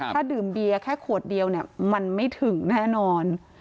ถ้าดื่มเบียร์แค่ขวดเดียวเนี่ยมันไม่ถึงแน่นอน